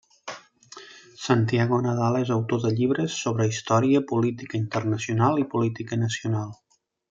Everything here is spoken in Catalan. Santiago Nadal és autor de llibres, sobre història, política internacional i política nacional.